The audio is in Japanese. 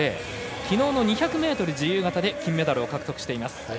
きのうの２００ｍ自由形で金メダルを獲得しています。